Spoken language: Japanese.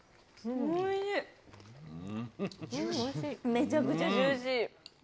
めちゃくちゃジューシー。